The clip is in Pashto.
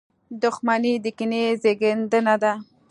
• دښمني د کینې زېږنده ده.